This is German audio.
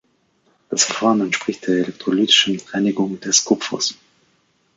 Das Verfahren entspricht der elektrolytischen Reinigung des Kupfers.